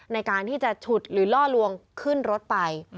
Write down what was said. ในการที่จะฉุดหรือล่อลวงขึ้นรถไป